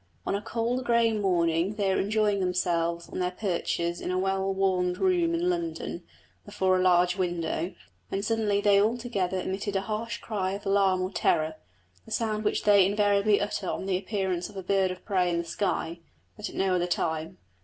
On a cold grey morning they were enjoying themselves on their perches in a well warmed room in London, before a large window, when suddenly they all together emitted a harsh cry of alarm or terror the sound which they invariably utter on the appearance of a bird of prey in the sky, but at no other time.